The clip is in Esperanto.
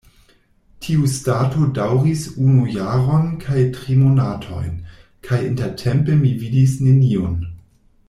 Tiustato daŭris unu jaron kaj tri monatojn, kaj intertempe mi vidis neniun.